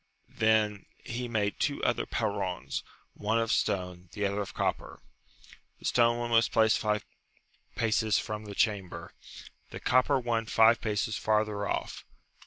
Then he made two other perrons, one of stone, the other of copper : the stone one was placed five paces from the chamber, the copper one five paces farther off".